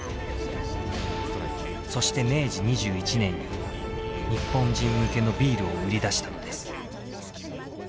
そして明治２１年に日本人向けのビールを売り出したのです。